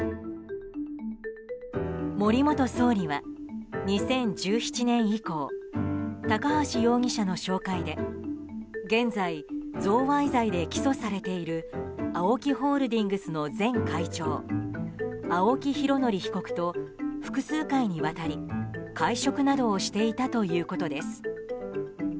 森元総理は、２０１７年以降高橋容疑者の紹介で現在、贈賄罪で起訴されているＡＯＫＩホールディングスの前会長青木拡憲被告と複数回にわたり会食などをしていたということです。